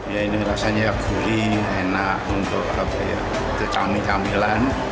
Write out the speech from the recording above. ya ini rasanya gurih enak untuk cami camilan